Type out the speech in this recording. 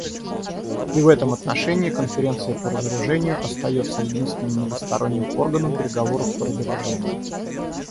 И в этом отношении Конференция по разоружению остается единственным многосторонним органом переговоров по разоружению.